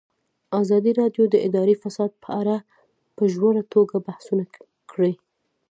ازادي راډیو د اداري فساد په اړه په ژوره توګه بحثونه کړي.